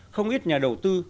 không ít nhà đầu tư